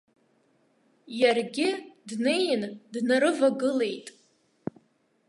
Иаргьы днеин днарывагылеит.